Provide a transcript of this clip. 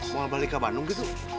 mau balik ke bandung gitu